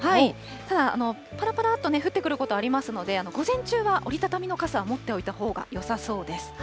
ただ、ぱらぱらっと降ってくることありますので、午前中は折り畳みの傘は持っておいたほうがよさそうです。